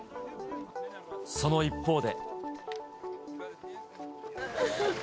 その一方で。